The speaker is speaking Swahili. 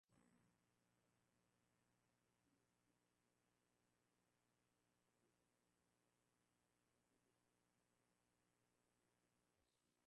Saba Januari ndio siku ambayo Lumumba aliuwawa kwa kupigwa risasi na mwili wake kuzikwa